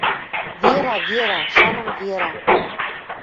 — Вера, Вера! Шаным Вера!..